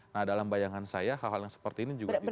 nah dalam bayangan saya hal hal yang seperti ini juga bisa